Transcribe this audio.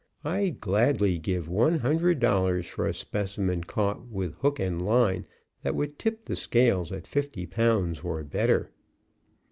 I'd gladly give one hundred dollars for a specimen caught with hook and line that would tip the scales at fifty pounds or better."